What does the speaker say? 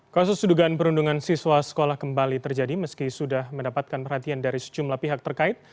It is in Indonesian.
kasus dugaan perundungan siswa sekolah kembali terjadi meski sudah mendapatkan perhatian dari sejumlah pihak terkait